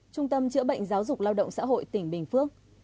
trung tâm chữa bệnh giáo dục lao động xã hội tỉnh bình phước